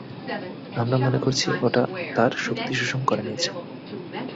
আমরা মনে করছি ওটা তার শক্তি শোষণ করে নিয়েছে।